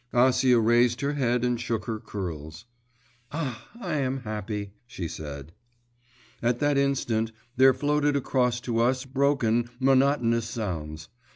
…' Acia raised her head and shook her curls. 'Ah, I am happy,' she said. At that instant there floated across to us broken, monotonous sounds.